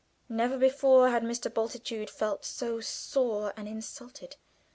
Never before had Mr. Bultitude felt so sore and insulted.